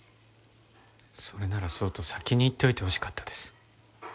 それならそうと先に言っておいてほしかったです。